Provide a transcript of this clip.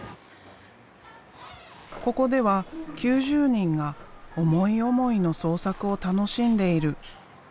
ここでは９０人が思い思いの創作を楽しんでいる。